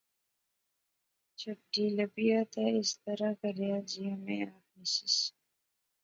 اماں چٹھی لبیا تے اس طرح کریا جیاں میں آخنیس